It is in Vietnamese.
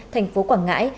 thành phố quảng ngãi